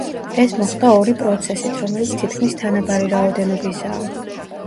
ეს მოხდა ორი პროცესით, რომელიც თითქმის თანაბარი რაოდენობისაა.